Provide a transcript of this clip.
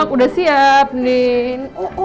udah siap nin